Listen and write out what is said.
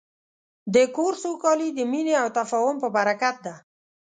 د کور سوکالي د مینې او تفاهم په برکت ده.